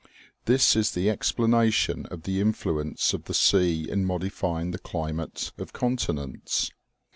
This is the explanation of the influence of the sea in modifying the climate of continents.